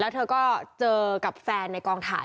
เธอก็เจอกับแฟนในกองถ่าย